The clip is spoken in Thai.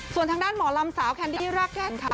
ส่วนทางด้านหมอลำสาวแคนดี้รากแก้นค่ะ